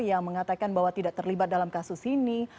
yang mengatakan bahwa tidak terlibat dalam kasus ini